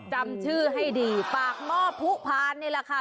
จำชื่อให้ดีปากหม้อผู้พานนี่แหละค่ะ